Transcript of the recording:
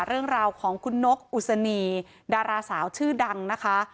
เรื่องราวของคุณนกอุศนีดาราสาวชื่อดังนะคะ